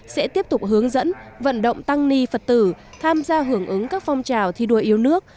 sẽ tiếp tục hướng dẫn vận động tăng ni phật tử tham gia hưởng ứng các phong trào thi đua yêu nước